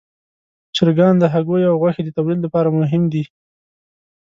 چرګان د هګیو او غوښې د تولید لپاره مهم دي.